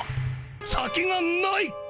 「先がない」。